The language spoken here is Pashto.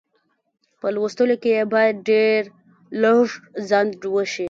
په لوستلو کې یې باید ډېر لږ ځنډ وشي.